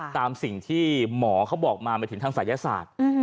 ตามสิ่งที่หมอเขาบอกมาหมายถึงทางศัยศาสตร์